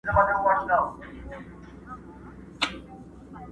زه کرۍ ورځ په درنو بارونو بار یم،